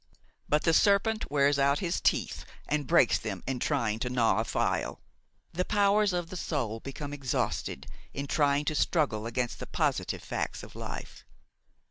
But the serpent wears out his teeth and breaks them in trying to gnaw a file; the powers of the soul become exhausted in trying to struggle against the positive facts of life.